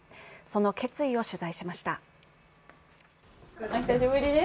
その決意を取材しました。